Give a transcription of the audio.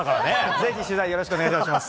ぜひ取材よろしくお願いします。